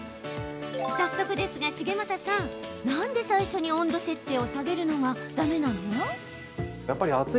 早速ですが、重政さんなんで最初に温度設定を下げるのがだめなの？